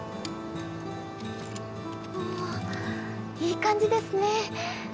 おおいい感じですね。